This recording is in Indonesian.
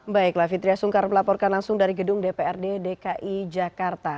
baiklah fitriah sungkar melaporkan langsung dari gedung dprd dki jakarta